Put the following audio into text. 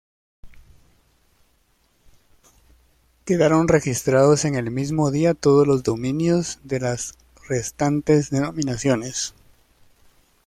Quedaron registrados en el mismo día todos los dominios de las restantes denominaciones.